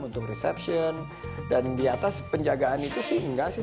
untuk reception dan di atas penjagaan itu sih enggak sih